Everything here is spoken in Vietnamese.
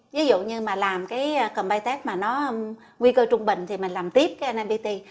ví dụ như mà làm cái combine test mà nó nguy cơ trung bình thì mình làm tiếp cái nipt